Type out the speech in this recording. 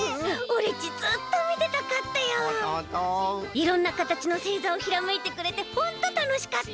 いろんなかたちのせいざをひらめいてくれてホントたのしかった。